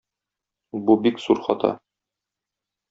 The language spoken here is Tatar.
Бу бик зур хата.